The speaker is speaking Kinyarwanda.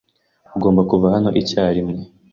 Ugomba kuva hano icyarimwe.